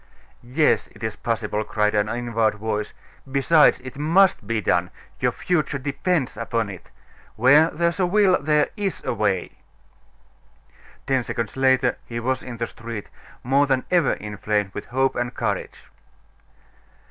"Yes, it is possible," cried an inward voice. "Besides, it must be done; your future depends upon it. Where there's a will, there's a way." Ten seconds later he was in the street, more than ever inflamed with hope and courage.